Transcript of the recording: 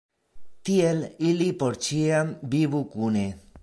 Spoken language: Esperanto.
Tiel ili por ĉiam vivu kune.